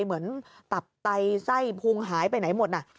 เหมือนกับตับไตไส้พุงหายไปไหนหมดน่ะ